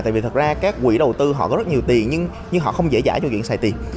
tại vì thật ra các quỹ đầu tư họ có rất nhiều tiền nhưng họ không dễ dãi cho chuyện xài tiền